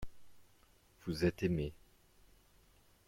vous êtes aimé.